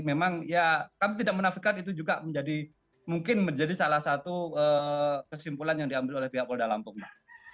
memang ya kami tidak menafikan itu juga menjadi mungkin menjadi salah satu kesimpulan yang diambil oleh pihak polda lampung mbak